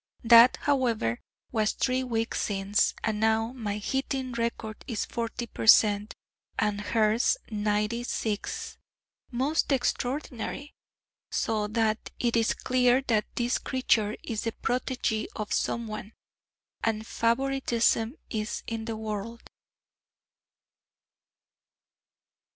That, however, was three weeks since, and now my hitting record is forty per cent., and hers ninety six most extraordinary: so that it is clear that this creature is the protégée of someone, and favouritism is in the world.